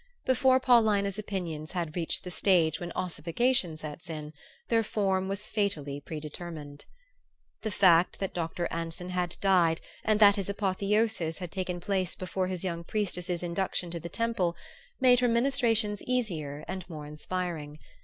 Before Paulina's opinions had reached the stage when ossification sets in their form was fatally predetermined. The fact that Dr. Anson had died and that his apotheosis had taken place before his young priestess's induction to the temple, made her ministrations easier and more inspiring.